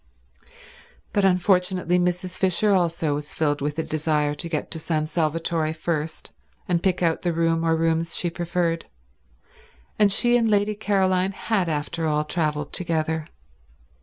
But unfortunately Mrs. Fisher also was filled with a desire to get to San Salvatore first and pick out the room or rooms she preferred, and she and Lady Caroline had after all traveled together.